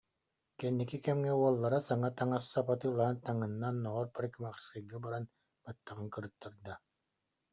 Кэнники кэмҥэ уоллара саҥа таҥас-сап атыылаһан таҥынна, оннооҕор парикмахерскайга баран баттаҕын кырыттарда